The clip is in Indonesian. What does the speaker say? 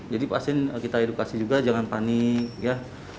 jadi pasien kita edukasi juga jangan panik ya